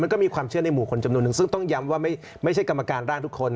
ก็มีความเชื่อในหมู่คนจำนวนนึงซึ่งต้องย้ำว่าไม่ใช่กรรมการร่างทุกคน